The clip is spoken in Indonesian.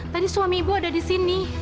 tadi suami ibu ada di sini